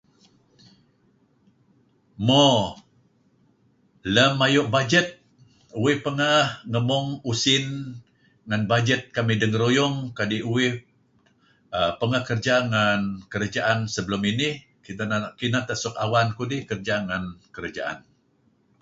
Mo lem ayu' bajet uih pangeh ngemung usin ngen bajet kamih dengaruyung kadi uih panger kerja ngan kerejaan kereb uih inih. Kineh teh awan kudi' suk kerja ngen kerejaan.